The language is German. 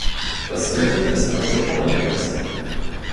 Das Mittel ist also unangemessen.